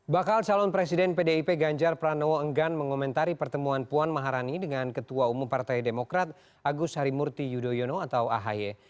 bakal calon presiden pdip ganjar pranowo enggan mengomentari pertemuan puan maharani dengan ketua umum partai demokrat agus harimurti yudhoyono atau ahy